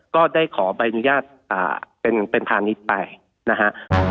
ก็ได้ขอบายอนุญาตเป็นฐานิตไปนะฮะ